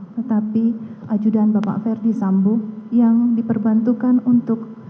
tetapi ajudan bapak ferdi sambo yang diperbantukan untuk